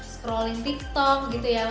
scrolling tiktok gitu ya